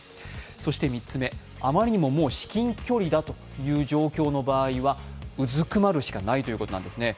そして３つ目、あまりにも至近距離だという場合にはうずくまるしかないということなんですね。